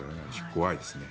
怖いですね。